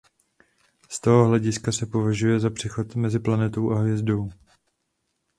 Z tohoto hlediska se považuje za přechod mezi planetou a hvězdou.